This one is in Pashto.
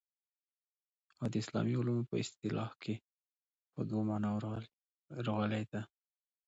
او د اسلامي علومو په اصطلاح کي په دوو معناوو راغلې ده.